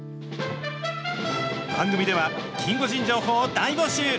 番組では、キンゴジン情報を大募集。